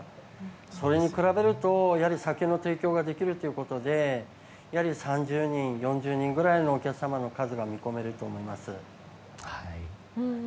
それに比べると酒の提供ができるということで３０人、４０人ぐらいのお客様が見込めると思います。